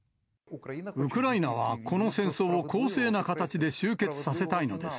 ウクライナはこの戦争を公正な形で終結させたいのです。